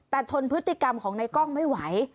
แต่ทนพฤติกรรมของในกล้องไม่ไหว